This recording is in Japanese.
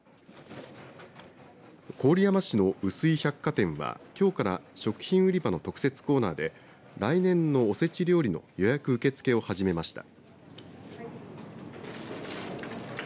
郡山市のうすい百貨店はきょうから食品売り場の特設コーナーで来年のおせち料理の予約受け付けを始めました。